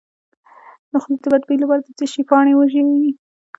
د خولې د بد بوی لپاره د څه شي پاڼې وژويئ؟